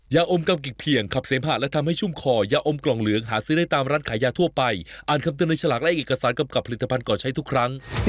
ยาอมกำกิกเพียงขับเสมหะและทำให้ชุ่มคอยาอมกล่องเหลืองหาซื้อได้ตามร้านขายยาทั่วไปอ่านคำเตือนในฉลากและเอกสารกำกับผลิตภัณฑ์ก่อใช้ทุกครั้ง